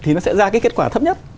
thì nó sẽ ra cái kết quả thấp nhất